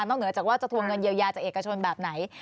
เหนือจากว่าจะทวงเงินเยียวยาจากเอกชนแบบไหน